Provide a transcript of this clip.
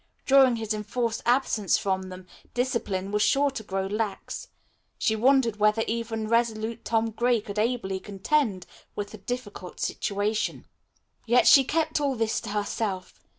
During his enforced absence from them, discipline was sure to grow lax. She wondered whether even resolute Tom Gray could ably contend with the difficult situation. Yet she kept all this to herself.